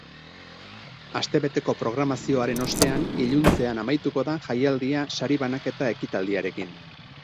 Astebeteko programazioaren ostean, iluntzean amaituko da jaialdia sari banaketa ekitaldiarekin.